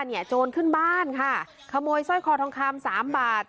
โจรขึ้นบ้านค่ะขโมยสร้อยคอทองคำสามบาท